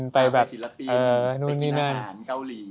ไปศิลปินไปกินอาหารเกาหลี